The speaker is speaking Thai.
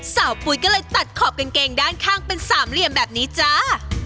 ปุ๋ยก็เลยตัดขอบกางเกงด้านข้างเป็นสามเหลี่ยมแบบนี้จ้า